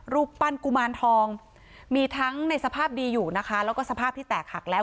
รูปปั้นกุมารทองมีทั้งในสภาพดีอยู่นะคะแล้วก็สภาพที่แตกหักแล้ว